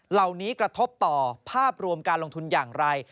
เหล่านี้กระทบต่อภาพรวมการลงทุนอย่างไร